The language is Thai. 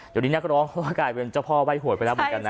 อยู่ดีนี้เราก็ร้องว่ากลายเป็นเจ้าพ่อไว้หวยไปแล้วเหมือนกันนะ